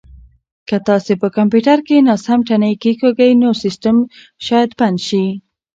که تاسي په کمپیوټر کې ناسم تڼۍ کېکاږئ نو سیسټم شاید بند شي.